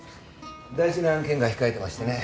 大事な案件が控えてましてね。